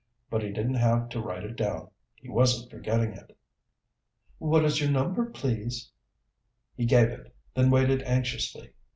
But he didn't have to write it down. He wasn't forgetting it. "What is your number, please?" He gave it, then waited anxiously.